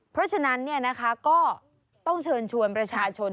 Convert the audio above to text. เพราะฉะนั้นเนี่ยนะคะก็ต้องเชิญชวนประชาชน